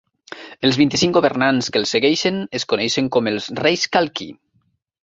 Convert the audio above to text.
Els vint-i-cinc governants que els segueixen es coneixen com els reis Kalki.